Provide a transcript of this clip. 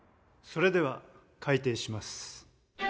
それでは開廷します。